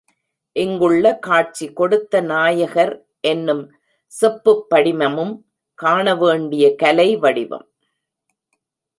இங்குள்ள காட்சி கொடுத்த நாயகர் என்னும் செப்புப் படிமமும் காணவேண்டிய கலை வடிவம்.